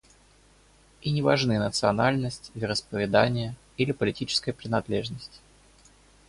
И не важны национальность, вероисповедание или политическая принадлежность.